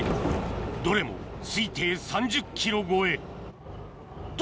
どれも推定３０ｋｇ超えと！